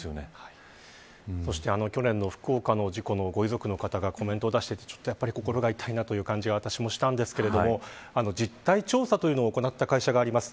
去年の福岡の事故のご遺族の方もコメントを出していて心が痛いという気もしたんですけど実態調査を行った会社があります。